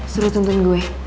suruh tuntun gue